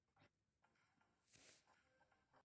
作决定的人还是你自己